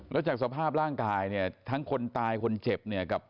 แล้วจากสภาพร่างกายทั้งคนตายคนเจ็บ